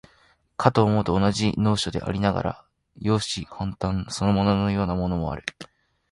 かと思うと、同じ能書でありながら、容姿端麗そのもののようなものもある。